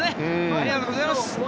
ありがとうございます！